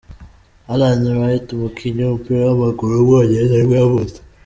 Alan Wright, umukinnyi w’umupira w’amaguru w’umwongereza nibwo yavutse.